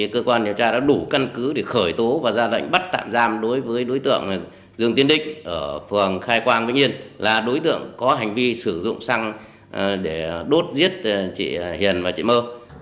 cơ quan điều tra đã đủ căn cứ để khởi tố và ra lệnh bắt tạm giam đối với đối tượng dương tiến định ở phường khai quang vĩnh yên là đối tượng có hành vi sử dụng xăng để đốt giết chị hiền và chị mơ